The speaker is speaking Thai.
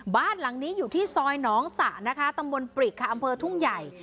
บ้านหลังนี้อยู่ที่ซอยหนองสะนะคะตำบลปริกค่ะอำเภอทุ่งใหญ่